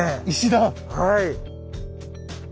はい。